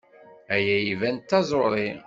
Aya iban d taẓuṛi.